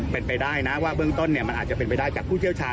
เป็นไปได้นะว่าเบื้องต้นมันอาจจะเป็นไปได้จากผู้เชี่ยวชาญ